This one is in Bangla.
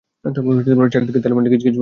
চারদিকে তালেবানরা গিজগিজ করছে।